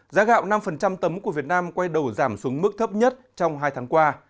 giá gạo năm tấm của việt nam quay đầu giảm xuống mức thấp nhất trong hai tháng qua